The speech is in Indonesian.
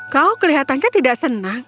kau kelihatankah tidak senang